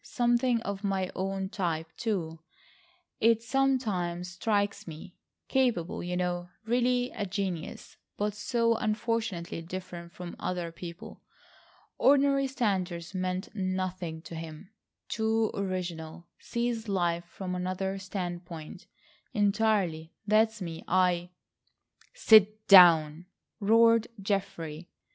Something of my own type, too, it sometimes strikes me. Capable, you know, really a genius, but so unfortunately different from other people. Ordinary standards meant nothing to him—too original—sees life from another standpoint, entirely. That's me! I—" "Sit down," roared Geoffrey.